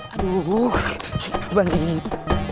aduh bang ini